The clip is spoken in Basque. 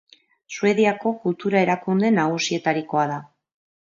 Suediako kultura erakunde nagusietarikoa da.